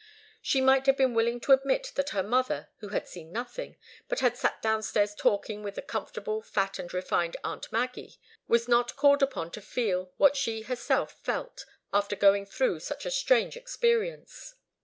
She might have been willing to admit that her mother, who had seen nothing, but had sat downstairs talking with the comfortable, fat and refined aunt Maggie, was not called upon to feel what she herself felt after going through such a strange experience.